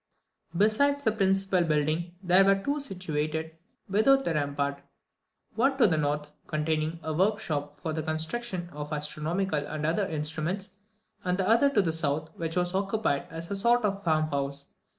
Besides the principal building there were other two situated without the rampart, one to the north, containing a workshop for the construction of astronomical and other instruments, and the other to the south, which was occupied as a sort of farm house.